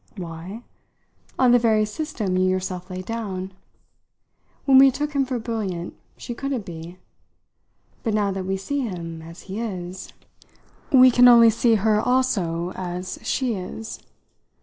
"Why? On the very system you yourself laid down. When we took him for brilliant, she couldn't be. But now that we see him as he is " "We can only see her also as she is?"